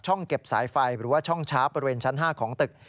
เก็บสายไฟหรือว่าช่องช้าบริเวณชั้น๕ของตึก